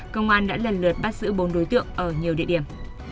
công an đã lần lượt bắt giữ bốn đối tượng ở nhiều địa điểm